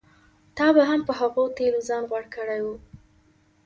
تا به هم په هغو تېلو ځان غوړ کړی و.